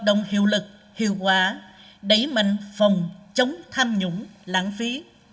đồng hiệu lực hiệu quả đẩy mạnh phòng chống tham nhũng lãng phí